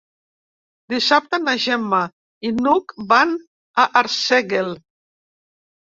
Dissabte na Gemma i n'Hug van a Arsèguel.